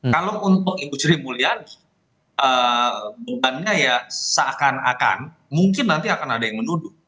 kalau untuk ibu sri mulyani bebannya ya seakan akan mungkin nanti akan ada yang menuduh